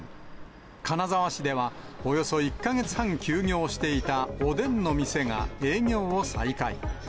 金沢市ではおよそ１か月半休業していたおでんの店が営業を再開。